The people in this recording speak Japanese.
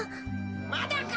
・まだか？